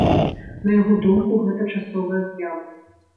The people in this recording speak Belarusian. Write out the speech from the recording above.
На яго думку, гэта часовая з'ява.